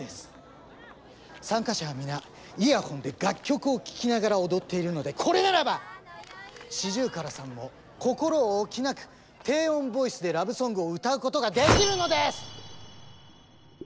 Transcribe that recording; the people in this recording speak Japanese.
参加者は皆イヤホンで楽曲を聴きながら踊っているのでこれならばシジュウカラさんも心置きなく低音ボイスでラブソングを歌うことができるのです！